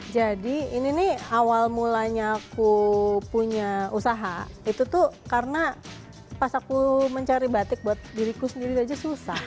jadi ini nih awal mulanya aku punya usaha itu tuh karena pas aku mencari batik buat diriku sendiri aja susah